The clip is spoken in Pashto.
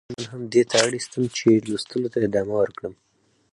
دې عنوان هم دې ته اړيستم چې ،چې لوستلو ته ادامه ورکړم.